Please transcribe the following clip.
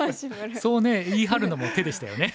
そうね言い張るのも手でしたよね。